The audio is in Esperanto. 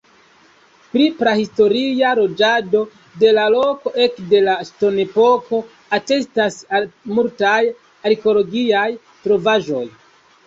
Pri prahistoria loĝado de la loko ekde la ŝtonepoko atestas multaj arkeologiaj trovaĵoj.